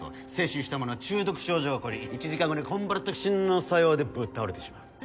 摂取したものは中毒症状が起こり１時間後にコンバラトキシンの作用でぶっ倒れてしまう。